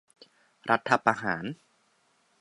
รัฐประหาร